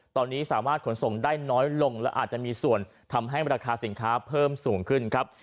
ตอนนี้สามารถขนส่งได้น้อยลงและอาจจะมีส่วนทำให้ราคาสินค้าเพิ่มสูงขึ้นครับ